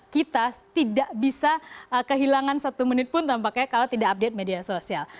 kita tidak bisa kehilangan satu menit pun tampaknya kalau tidak update media sosial